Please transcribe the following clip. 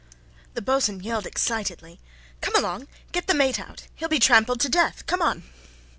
The boatswain yelled excitedly: "Come along. Get the mate out. He'll be trampled to death. Come on."